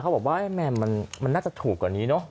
เขาบอกว่ามันน่าจะถูกกว่านี้เนาะ